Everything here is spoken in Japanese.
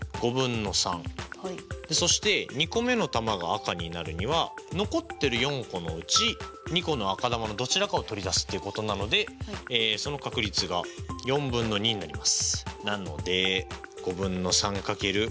そして２個目の球が赤になるには残ってる４個のうち２個の赤球のどちらかを取り出すっていうことなのでその確率が４分の２になります。